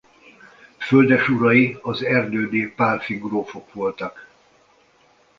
Földesurai az erdődi Pálffy grófok voltak.